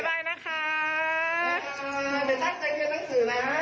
บ๊ายบายนะคะ